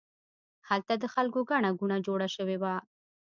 هلته د خلکو ګڼه ګوڼه جوړه شوې وه.